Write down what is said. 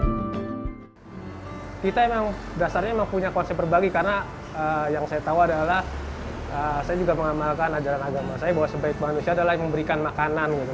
kita emang dasarnya punya konsep berbagi karena yang saya tahu adalah saya juga mengamalkan ajaran agama saya bahwa sebaik manusia adalah memberikan makanan gitu